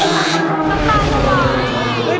อ๋อไม่เป็นไร